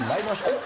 おっ！